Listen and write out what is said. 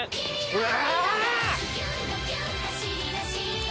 うわ